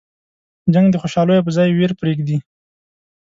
جنګ د خوشحالیو په ځای ویر پرېږدي.